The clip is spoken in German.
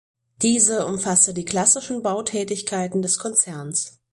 Diese umfasste die klassischen Bautätigkeiten des Konzerns.